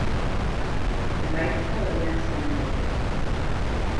Emaitza horien zain gaude.